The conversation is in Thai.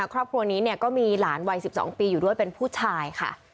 ครอบครัวนี้ก็มีหลานวัย๑๒ปีอยู่ด้วยเป็นผู้ชายค่ะ